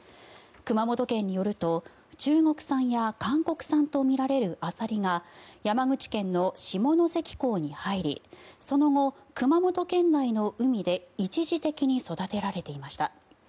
熊本県によると中国産や韓国産とみられるアサリが山口県の下関港に入りその後、熊本県内の海で一時的に育てられていました。